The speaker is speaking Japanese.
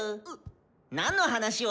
何の話を。